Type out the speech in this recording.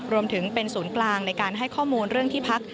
รวมถึงเป็นศูนย์กลางในการให้ข้อมูลเรื่องที่พัก